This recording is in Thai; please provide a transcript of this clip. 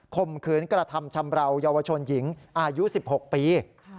มขืนกระทำชำราวเยาวชนหญิงอายุ๑๖ปี